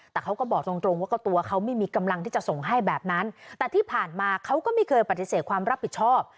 แต่เขาก็บอกตรงตรงว่าก็ตัวเขาไม่มีกำลังที่จะส่งให้แบบนั้นแต่ที่ผ่านมาเขาก็ไม่เคยปฏิเสธความรับผิดชอบ